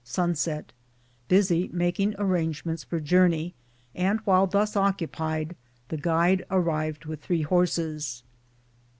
Sunset. Busy making arrangements for journey, and while thus occupied the guide arrived with 3 horses.